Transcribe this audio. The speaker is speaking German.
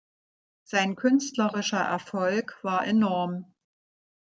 Sein künstlerischer Erfolg war enorm.